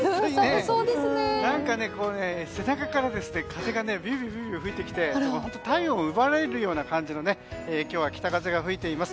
何か、背中から風がビュービュー吹いてきて本当に体温を奪われる感じの北風が吹いています。